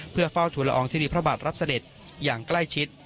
เพื่อเฝ้าทุลอองทุลีพระบาทรับเสด็จอย่างใกล้ชิด